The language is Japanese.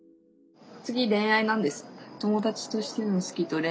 次恋愛なんです。